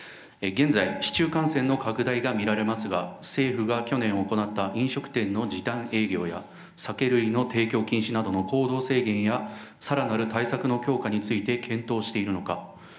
現在、市中感染の拡大が見られますが、政府が去年行った飲食店の時短営業や、酒類の提供禁止などの行動制限や、さらなる対策の強化について検討しているのか。